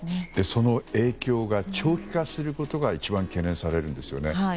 その影響が長期化することが一番懸念されるんですよね。